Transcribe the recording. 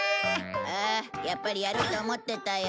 ああやっぱりやると思ってたよ。